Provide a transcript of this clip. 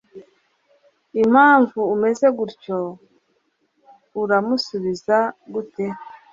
impamvu umeze gutyo uramusubiza gute!